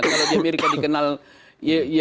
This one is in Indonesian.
kalau di amerika dikenal yellow paper misalnya